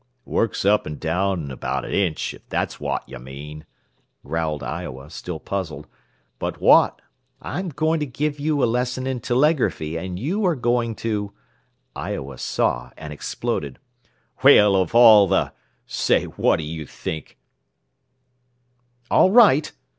"Works up and down about an inch, if that's wot you mean," growled Iowa, still puzzled. "But wot " "I'm going to give you a lesson in telegraphy and you are going to " Iowa saw, and exploded. "Well, of all the Say, wot do you think " "All right!"